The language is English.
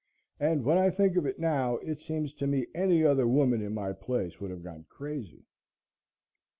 And, when I think of it now, it seems to me any other woman in my place would have gone crazy.